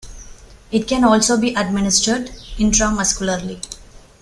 It can also be administered intramuscularly.